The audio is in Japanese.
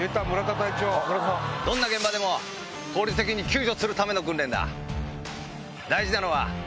どんな現場でも効率的に救助するための訓練だ。